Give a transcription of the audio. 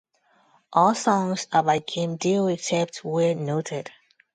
All songs are by Kim Deal except where noted.